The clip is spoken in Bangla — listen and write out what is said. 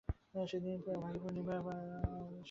সেদিন মাঘীপূর্ণিমা ফাল্গুনের আরম্ভে আসিয়া পড়িয়াছে।